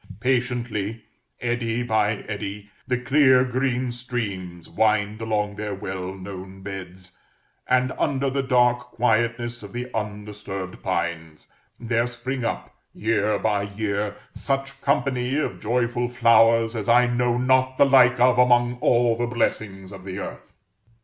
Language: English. Patiently, eddy by eddy, the clear green streams wind along their well known beds; and under the dark quietness of the undisturbed pines, there spring up, year by year, such company of joyful flowers as I know not the like of among all the blessings of the earth.